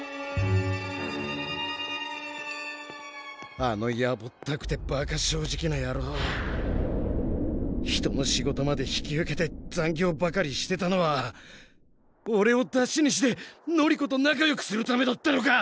あのやぼったくてバカ正直なやろう人の仕事まで引き受けて残業ばかりしてたのはおれをだしにして紀子と仲よくするためだったのか！